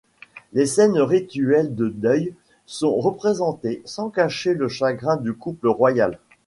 Les scènes rituelles de deuil sont représentées, sans cacher le chagrin du couple royal.